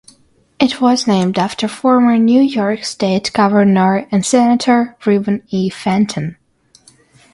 It was named after former New York State governor and senator Reuben E. Fenton.